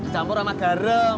campur sama garam